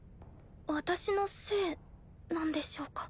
私のせいなんでしょうか？